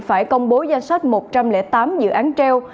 phải công bố danh sách một trăm linh tám dự án treo